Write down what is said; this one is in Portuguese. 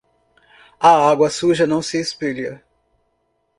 A água suja não se espelha.